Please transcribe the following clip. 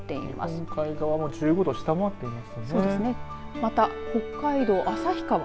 日本海側も１５度を下回っていますね。